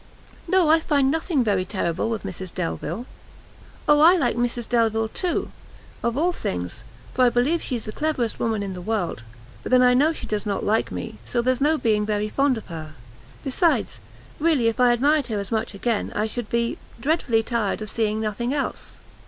"No, I find nothing very terrible with Mrs Delvile." "O, I like Mrs Delvile, too, of all things, for I believe she's the cleverest woman in the world; but then I know she does not like me, so there's no being very fond of her. Besides, really, if I admired her as much again, I should be, dreadfully tired of seeing nothing else.